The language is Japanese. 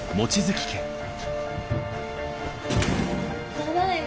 ・ただいま。